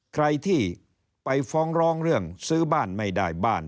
ใครที่ไปฟ้องร้องเรื่องซื้อบ้านไม่ได้บ้าน